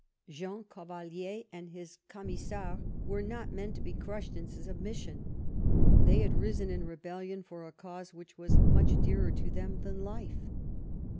Jean Cavalier and his Camisards were not men to be crushed into submission. They had risen in rebellion for a cause which was much dearer to them than life.